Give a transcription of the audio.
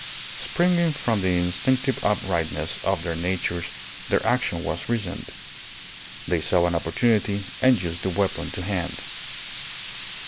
Springing from the instinctive uprightness of their natures their action was reasoned. They saw an opportunity and used the weapon to hand.